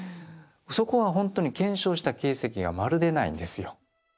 そこはほんとに検証した形跡がまるでないんですよ。